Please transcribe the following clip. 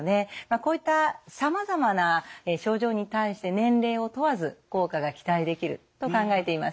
こういったさまざまな症状に対して年齢を問わず効果が期待できると考えています。